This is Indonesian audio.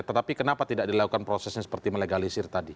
tetapi kenapa tidak dilakukan prosesnya seperti melegalisir tadi